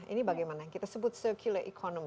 ini bagaimana yang kita sebut circular economy